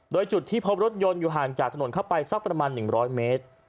โดยจุดที่พบรถยนต์อยู่ห่างจากถนนเข้าไปสักประมาณ๑๐๐เมตร